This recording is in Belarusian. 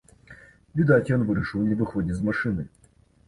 Відаць, ён вырашыў не выходзіць з машыны.